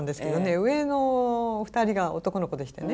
上の２人が男の子でしてね